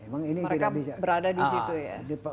mereka berada di situ ya